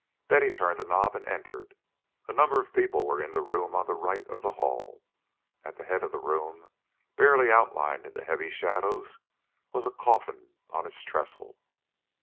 Betty turned the knob and entered. A number of people were in a room on the right of the hall. At the head of the room, barely out lined in the heavy shadows, was a coffin on its trestle.